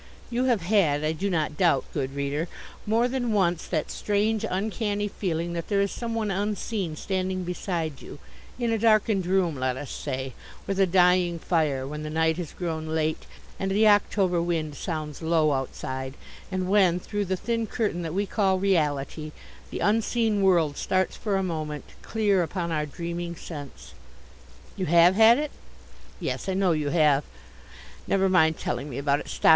You have had, I do not doubt, good reader, more than once that strange uncanny feeling that there is some one unseen standing beside you, in a darkened room, let us say, with a dying fire, when the night has grown late, and the October wind sounds low outside, and when, through the thin curtain that we call Reality, the Unseen World starts for a moment clear upon our dreaming sense. You have had it? Yes, I know you have. Never mind telling me about it. Stop.